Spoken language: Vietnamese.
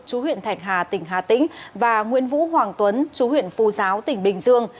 chú huyện thạch hà tỉnh hà tĩnh và nguyễn vũ hoàng tuấn chú huyện phu giáo tỉnh bình dương